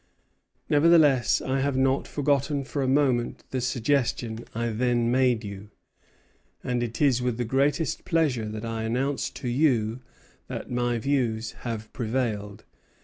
Nevertheless I have not forgotten for a moment the suggestion I then made you; and it is with the greatest pleasure that I announce to you that my views have prevailed.